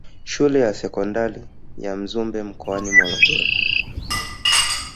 Shule ya sekondari ya Mzumbe mkoani Morogoro